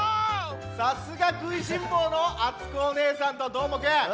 さすがくいしんぼうのあつこおねえさんとどーもくん！